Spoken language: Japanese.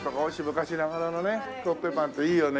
昔ながらのねコッペパンっていいよね。